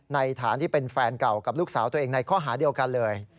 ฐานที่เป็นแฟนเก่ากับลูกสาวตัวเองในข้อหาเดียวกันเลย